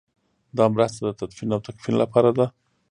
دا مرسته د تدفین او تکفین لپاره ده.